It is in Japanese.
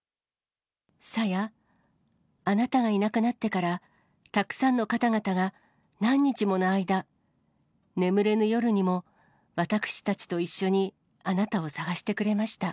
さや、あなたがいなくなってから、たくさんの方々が何日もの間、眠れぬ夜にも私たちと一緒にあなたを探してくれました。